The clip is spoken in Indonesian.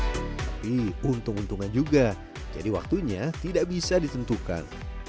tapi untung untungan juga jadi waktunya tidak bisa ditentukan